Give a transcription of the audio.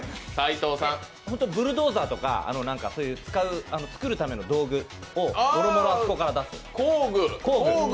ブルドーザーとか造るための道具をあそこから出す、工具。